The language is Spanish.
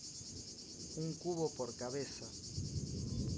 Traducción del título: "Un Cubo por Cabeza".